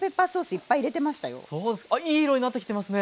あっいい色になってきてますね。